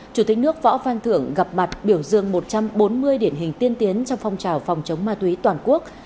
chủ tịch nước võ phan thưởng gặp mặt biểu dương một trăm bốn mươi điển hình tiên tiến trong phong trào phòng chống ma túy toàn quốc